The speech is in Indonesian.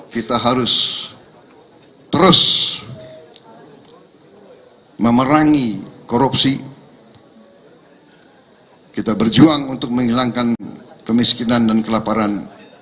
kita harus terus memerangi korupsi kita berjuang untuk menghilangkan kemiskinan dan kelaparan